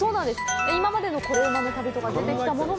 今までの「コレうまの旅」とかで出てきたものも。